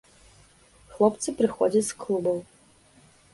Хлопцы прыходзяць з клубаў.